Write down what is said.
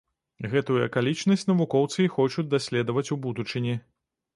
Гэтую акалічнасць навукоўцы і хочуць даследаваць у будучыні.